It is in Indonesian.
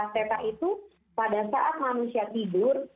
peta itu pada saat manusia tidur